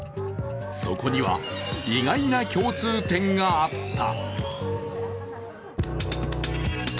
そこには意外な共通点があった。